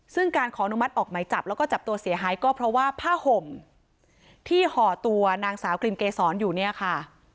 ซึ่งการขอนุมัติออกไหมจับแล้วก็จับตัวเสียหายก็เพราะว่าผ้าห่มที่ห่อตัวนางสาวกลิ่นเกษรอยู่เนี่ยค่ะ